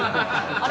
あれ？